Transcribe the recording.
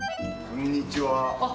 こんにちは。